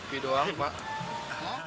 kopi doang pak